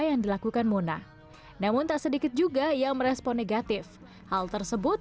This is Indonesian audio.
yang dilakukan muna namun tak sedikit juga yang merespon negatif hal tersebut